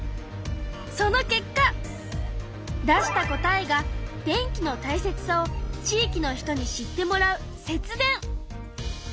その結果出した答えが電気のたいせつさを「地域の人に知ってもらう節電」。